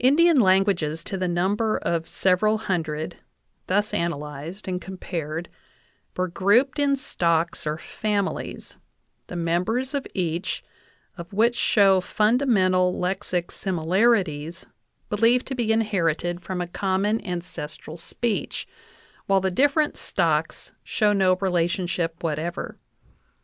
Indian languages to the number of several hundred thus analyzed and compared were grouped in stocks or families, the members of each of which show fundamental lexic similarities believed to be inherited from a common ancestral speech, while the different stocks show no relationship whatever.